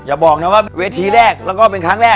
อย่าบอกนะว่าเวทีแรกแล้วก็เป็นครั้งแรก